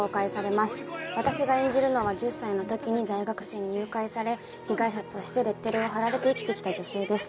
私が演じるのは１０歳のときに大学生に誘拐され被害者としてレッテルを貼られて生きてきた女性です。